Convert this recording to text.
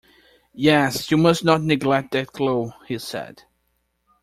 "Yes, you must not neglect that clue," he said.